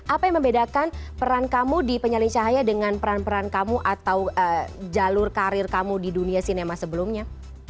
apa yang membedakan peran kamu di penyalin cahaya dengan peran peran kamu atau jalur karir kamu di dunia sinema sebelumnya